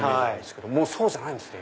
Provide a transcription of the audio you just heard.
もうそうじゃないんですね。